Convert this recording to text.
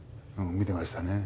見てましたね。